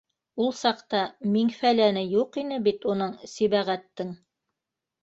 Ул саҡта миң- фәләне юҡ ине бит уның, Сибәғәттең.